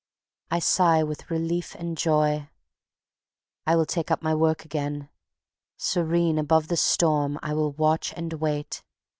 I sigh with relief and joy. I will take up my work again. Serene above the storm I will watch and wait.